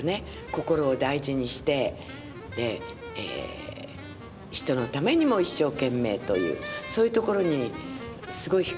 心を大事にして人のためにも一生懸命というそういうところにすごい引かれまして。